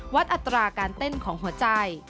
อัตราการเต้นของหัวใจ